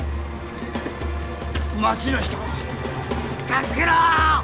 町の人を助けろ！